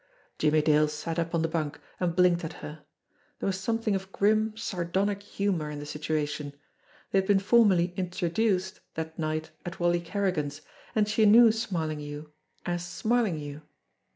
Jimmie Dale sat up on the bunk, and blinked at her. There was something of grim, sardonic humour in the situation. They had been formally "introduced" that night at Wally Kerrigan's, and she knew Smarlinghue as Smarlinghue.